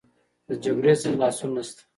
د جګړې څخه خلاصون نشته.